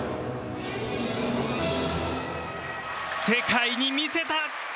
世界に見せた！